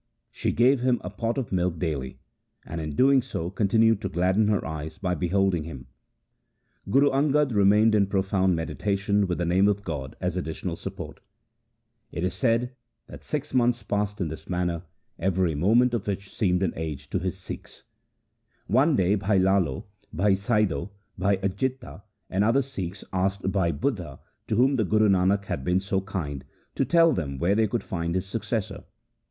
She gave him a pot of milk daily, and in doing so continued to gladden her eyes by beholding him. Guru Angad remained in profound meditation with the name of God as additional support. It is said i War I, 46. LIFE OF GURU ANGAD 13 that six months passed in this manner, every moment of which seemed an age to his Sikhs. One day Bhai Lalo, Bhai Saido, Bhai Ajitta and other Sikhs asked Bhai Budha, to whom the Guru Nanak had been so kind, to tell them where they could find his successor.